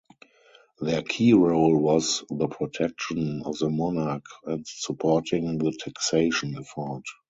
Their key role was the protection of the monarch and supporting the taxation effort.